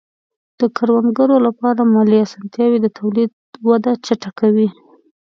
د کروندګرو لپاره مالي آسانتیاوې د تولید وده چټکوي.